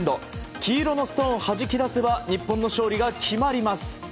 黄色のストーンをはじき出せば日本の勝利が決まります。